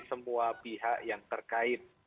semua pihak yang terkait